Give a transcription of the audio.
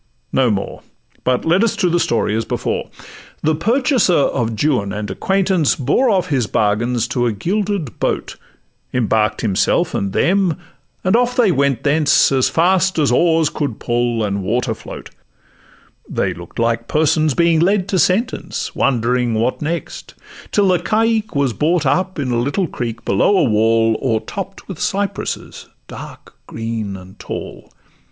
No more; But let us to the story as before. The purchaser of Juan and acquaintance Bore off his bargains to a gilded boat, Embark'd himself and them, and off they went thence As fast as oars could pull and water float; They look'd like persons being led to sentence, Wondering what next, till the caique was brought Up in a little creek below a wall O'ertopp'd with cypresses, dark green and tall.